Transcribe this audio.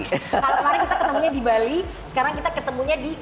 kalau kemarin kita ketemunya di bali sekarang kita ketemunya di